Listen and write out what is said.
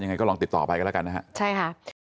ยังไงก็ลองติดต่อไปกันแล้วกันนะฮะใช่ค่ะ